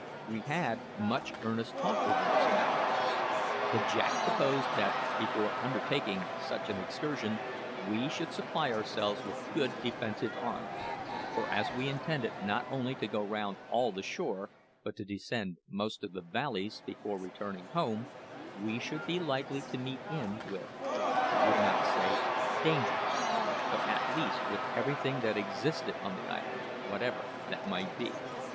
We had much earnest talk over this matter. But Jack proposed that, before undertaking such an excursion, we should supply ourselves with good defensive arms; for, as we intended not only to go round all the shore, but to descend most of the valleys, before returning home, we should be likely to meet in with he would not say dangers but at least with everything that existed on the island, whatever that might be.